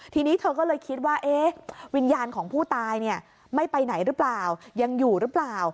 ทีนี้เธอก็เลยคิดว่าวิญญาณของผู้ตายไม่ไปไหนหรือเปล่ายังอยู่หรือเปล่า